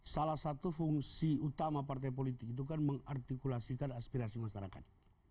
salah satu fungsi utama partai politik itu kan mengartikulasikan aspirasi masyarakat